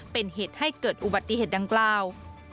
เป็นเหตุให้เกิดอุบัติเหตุดังกล่าว